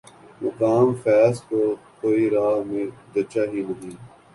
مقام فیضؔ کوئی راہ میں جچا ہی نہیں